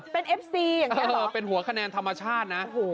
เป็นเอฟซีอย่างนี้เป็นหัวคะแนนธรรมชาตินะ